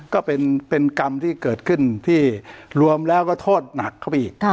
ก็เป็นกรรมที่เกิดขึ้นที่รวมแล้วก็โทษหนักเข้าไปอีก